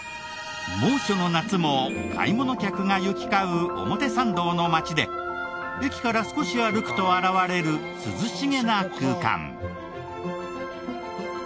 猛暑の夏も買い物客が行き交う表参道の街で駅から少し歩くと現れる涼しげな空間。